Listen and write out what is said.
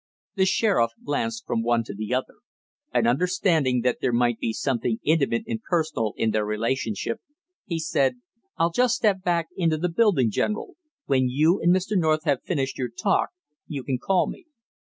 The sheriff glanced from one to the other; and understanding that there might be something intimate and personal in their relation, he said: "I'll just step back into the building, General; when you and Mr. North have finished your talk, you can call me."